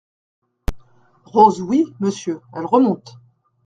Rose Oui, Monsieur, Elle remonte.